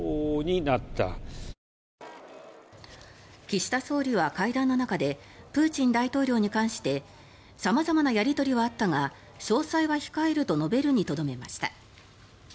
岸田総理は会談の中でプーチン大統領に関して様々なやり取りはあったが詳細は控えると述べるにとどめました。